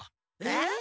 えっ？